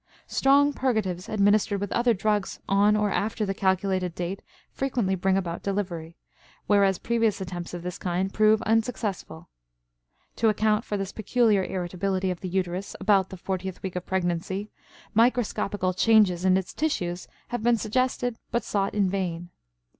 Strong purgatives administered with other drugs on or after the calculated date frequently bring about delivery, whereas previous attempts of this kind prove unsuccessful. To account for this peculiar irritability of the uterus about the fortieth week of pregnancy, microscopical changes in its tissues have been suggested but sought in vain.